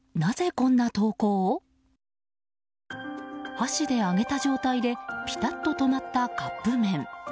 箸で上げた状態でピタッと止まったカップ麺。